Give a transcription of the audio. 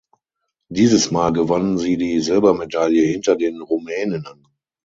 Dieses Mal gewannen sie die Silbermedaille hinter den Rumäninnen.